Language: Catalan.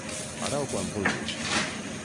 Ara o quan vulguis.